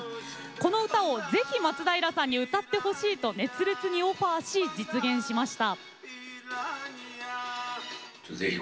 この歌をぜひ松平さんに歌ってほしいと熱烈にオファーし実現しました。